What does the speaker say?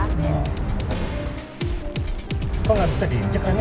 kok gak bisa diinjak remnya